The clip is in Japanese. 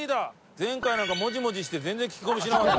前回なんかモジモジして全然聞き込みしなかった。